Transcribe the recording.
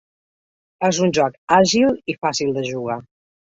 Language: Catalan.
És un joc àgil i fàcil de jugar.